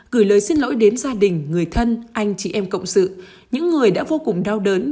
gửi lời xin lỗi đến gia đình người thân anh chị em cộng sự những người đã vô cùng đau đớn